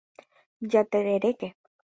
Jatereréke.